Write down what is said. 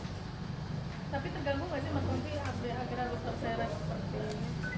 tapi terganggu gak sih mas rufi akhirnya luar biasa